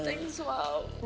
terima kasih mam